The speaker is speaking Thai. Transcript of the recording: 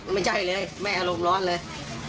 ไม่ใช่เลยแม่อารมณ์ร้อนเลย